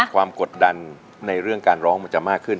กดดันในเรื่องการร้องมันจะมากขึ้น